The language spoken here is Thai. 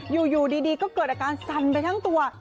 อยู่ดีก็เกิดอาการสั่นไปทั้งตัว